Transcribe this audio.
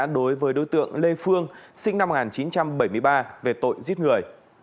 đối với đối tượng lê phương sinh năm một nghìn chín trăm bảy mươi ba về tội giết người